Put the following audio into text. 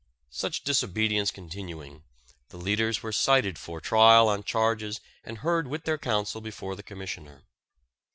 Such disobedience continuing, the leaders were cited for trial on charges and heard with their counsel before the Commissioner.